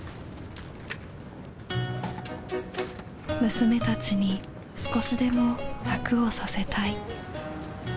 娘たちに少しでも楽をさせたい。